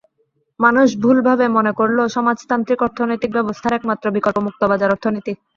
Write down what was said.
মানুষ ভুলভাবে মনে করল, সমাজতান্ত্রিক অর্থনৈতিক ব্যবস্থার একমাত্র বিকল্প মুক্তবাজার অর্থনীতি।